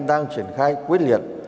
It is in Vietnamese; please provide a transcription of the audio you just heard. đang triển khai quyết liệt